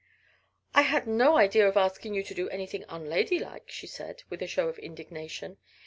"I had no idea of asking you to do anything unlady like," she said with a show of indignation.